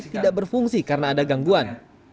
tidak berfungsi karena ada gangguan